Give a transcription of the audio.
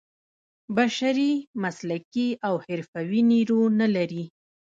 بشري مسلکي او حرفوي نیرو نه لري.